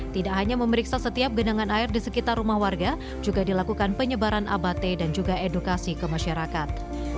tidak hanya memeriksa setiap genangan air di sekitar rumah warga juga dilakukan penyebaran abate dan juga edukasi ke masyarakat